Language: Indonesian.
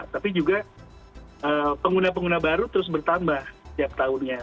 tapi juga pengguna pengguna baru terus bertambah setiap tahunnya